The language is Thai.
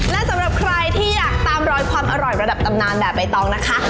และสำหรับใครที่อยากตามรอยความอร่อยระดับตำนานแบบใบตองนะคะ